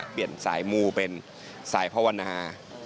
เปลี่ยนสายมูเป็นสายภาวนา